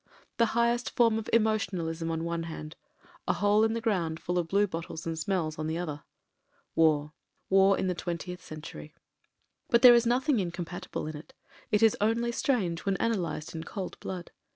... The highest form of emotionalism on one hand : a hole in the ground full of bluebottles and smells on the other. ... War ... war in the twentieth century. But there is nothing incompatible in it: it is only strange when analysed in cold blood.